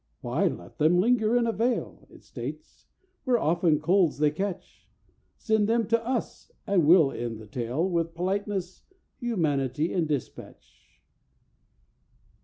'Why let them linger in a vale,' It states, 'where often colds they catch? Send them to us, and we'll end the tale With politeness, humanity, and dispatch.